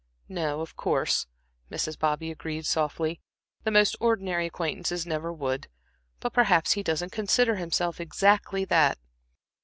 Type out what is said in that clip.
"No, of course," Mrs. Bobby agreed softly, "the most ordinary acquaintances never would. But perhaps he doesn't consider himself exactly that."